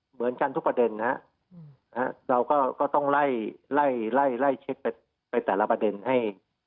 เหมือนกันทุกประเด็นนะฮะเราก็ต้องไล่ไล่เช็คไปแต่ละประเด็นให้